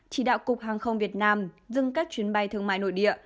chỉ đạo cục hàng không việt nam dừng các chuyến bay thương mại nội địa